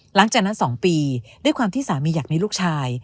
หลังจากนั้น๒ปีด้วยความที่สามีอยากมีลูกชาย